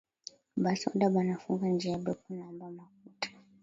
Ba soda banafunga njia beko naomba makuta